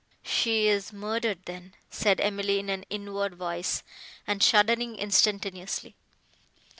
"She is murdered, then!" said Emily in an inward voice, and shuddering instantaneously.